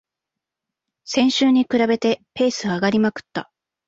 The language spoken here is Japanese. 先週に比べてペース上がりまくった